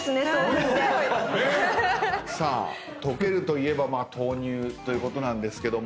さあ解けるといえば豆乳ということなんですけども。